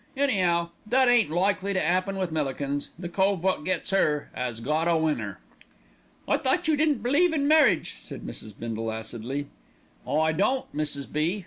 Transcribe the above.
Any'ow that ain't likely to 'appen with Millikins. The cove wot gets 'er, 'as got a winner." "Thought you didn't believe in marriage," said Mrs. Bindle acidly. "I don't, Mrs. B.